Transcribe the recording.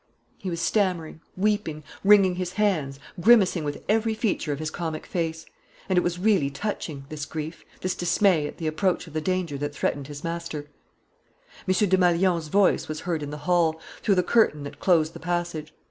He was stammering, weeping, wringing his hands, grimacing with every feature of his comic face. And it was really touching, this grief, this dismay at the approach of the danger that threatened his master. M. Desmalions's voice was heard in the hall, through the curtain that closed the passage.